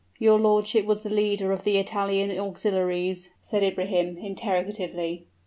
"Your lordship was the leader of the Italian auxiliaries?" said Ibrahim, interrogatively.